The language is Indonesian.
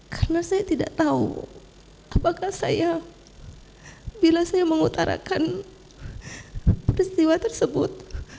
karena saya tidak tahu apakah saya bila saya mengutarakan peristiwa tersebut